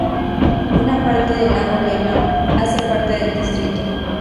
Una parte del lago Lemán hace parte del distrito.